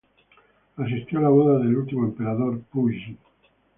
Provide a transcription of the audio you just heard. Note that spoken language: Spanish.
Asistió a la boda del último emperador, Pu Yi.